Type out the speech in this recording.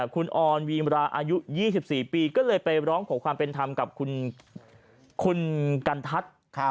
คุณออนวีมราอายุ๒๔ปีก็เลยไปร้องขอความเป็นธรรมกับคุณกันทัศน์